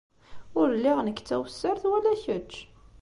Ur lliɣ nekk d tawessart wala kečč.